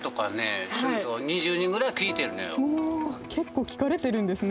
結構聞かれてるんですね。